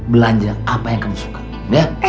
belanja apa yang kamu suka